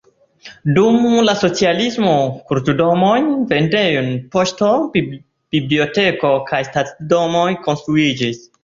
Dum la socialismo kulturdomo, vendejoj, poŝto, biblioteko kaj stacidomo konstruiĝis.